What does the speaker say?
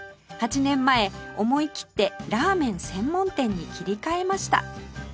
８年前思いきってラーメン専門店に切り替えました